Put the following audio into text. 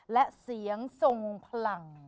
และเสียงทรงพลัง